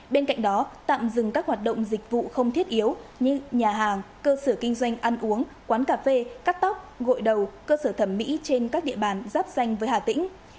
bên cạnh đó tạm dừng các hoạt động dịch vụ không thiết yếu như nhà hàng cơ sở kinh doanh ăn uống quán cà phê cắt tóc gội đầu cơ sở thẩm mỹ trên các địa bàn giáp danh với hà tĩnh